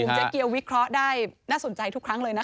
เจ๊เกียววิเคราะห์ได้น่าสนใจทุกครั้งเลยนะคะ